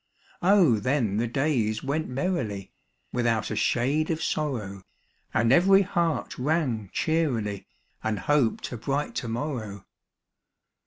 then the days went merrily, Without a shade of sorrow : And every heart rang cheerily, And hoped a bright to morrow.